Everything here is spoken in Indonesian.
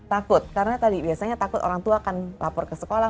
takut karena tadi biasanya takut orang tua akan lapor ke sekolah